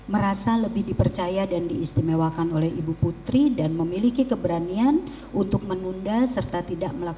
merasa lebih dipercaya dan diistimewakan oleh ibu putri dan memiliki keberanian untuk menunda serta tidak melakukan